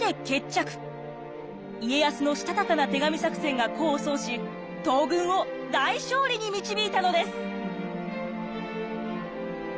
家康のしたたかな手紙作戦が功を奏し東軍を大勝利に導いたのです。